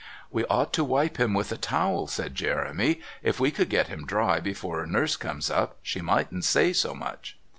"We ought to wipe him with a towel," said Jeremy; "if we could get him dry before Nurse comes up she mightn't say so much."